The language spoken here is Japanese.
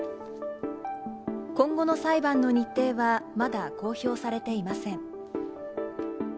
今後の裁判の日程は、まだ公表されていません。